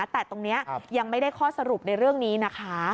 แต่ตรงนี้ยังไม่ได้ข้อสรุปในเรื่องนี้นะคะ